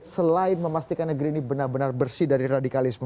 selain memastikan negeri ini benar benar bersih dari radikalisme